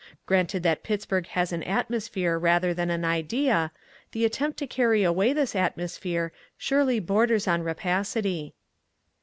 Granted that Pittsburg has an atmosphere rather than an idea, the attempt to carry away this atmosphere surely borders on rapacity.